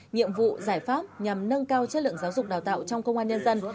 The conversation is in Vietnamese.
nhiệm vụ giải pháp nhằm nâng cao chất lượng giáo dục đào tạo trong công an nhân dân